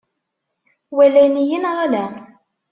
Walan-iyi neɣ ala?